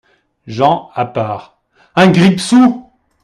Jean, à part. — Un grippe-sous !